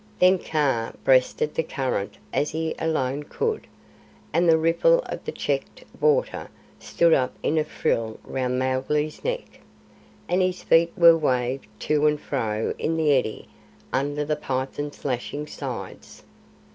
Then Kaa breasted the current as he alone could, and the ripple of the checked water stood up in a frill round Mowgli's neck, and his feet were waved to and fro in the eddy under the python's lashing sides.